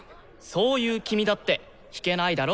そういう君だって弾けないだろ？